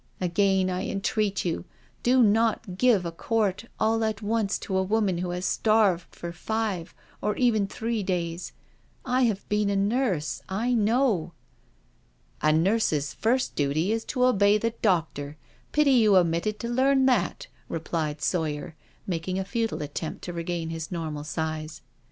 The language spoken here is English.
" Again, I entreat you, do not give a quart all at once to a woman who has starved for five, or even three days — I have been a nurse— I know." " A nurse's first duty is to obey the doctor. Pity you omitted to learn that," replied Sawyer, making a futile attempt to regain his normal size.